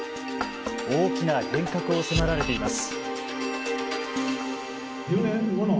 大きな変革を迫られています。